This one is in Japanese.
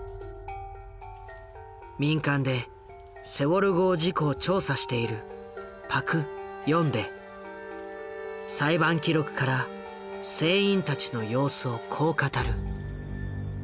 民間でセウォル号事故を調査している裁判記録から船員たちの様子をこう語る。